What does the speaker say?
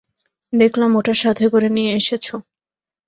দেখলাম ওটা সাথে করে নিয়ে এসেছো।